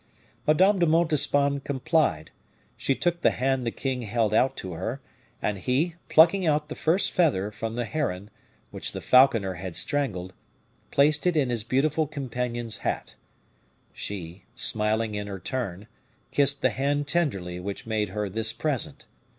Madame de Montespan complied; she took the hand the king held out to her, and he, plucking out the first feather from the heron, which the falconer had strangled, placed it in his beautiful companion's hat. She, smiling in her turn, kissed the hand tenderly which made her this present.